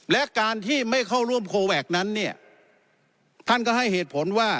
และการที่ไม่เข้าร่วมโคแวคนั้นเนี่ยท่านก็ให้เหตุผลว่า